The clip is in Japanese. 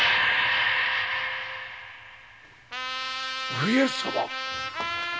上様⁉